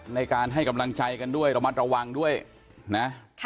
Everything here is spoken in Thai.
ในการให้กำลังใจกันด้วยระมัดระวังด้วยนะ